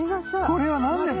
これは何ですか？